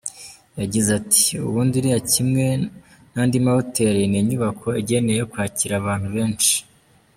Yagize ati “Ubundi iriya kimwe nandi mahoteli, ni inyubako igenewe kwakira abantu benshi.